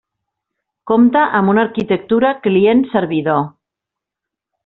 Compta amb una arquitectura client-servidor.